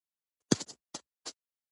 د زردالو زړې تریخ او خوږ وي.